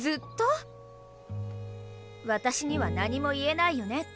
私には何も言えないよね。